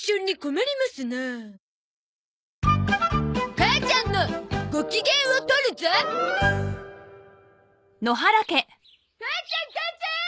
母ちゃん母ちゃん！